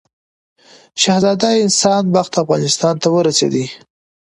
شهزاده احسان بخت افغانستان ته ورسېدی.